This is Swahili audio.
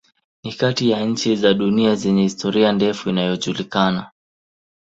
Ni kati ya nchi za dunia zenye historia ndefu inayojulikana.